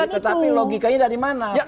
tetapi logikanya dari mana